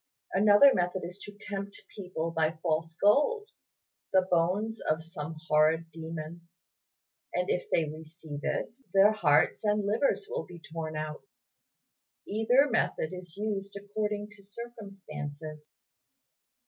Another method is to tempt people by false gold, the bones of some horrid demon; and if they receive it, their hearts and livers will be torn out. Either method is used according to circumstances."